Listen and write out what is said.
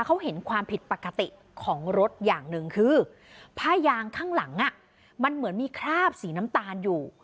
เขาเห็นความผิดปกติของรถอย่างหนึ่งคือผ้ายางข้างหลังมันเหมือนมีคราบสีน้ำตาลอยู่